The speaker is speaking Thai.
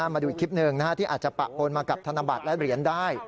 มาดูอีกคลิปหนึ่งที่อาจจะปะปนมากับธนบัตรและเหรียญได้